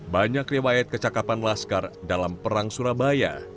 banyak riwayat kecakapan laskar dalam perang surabaya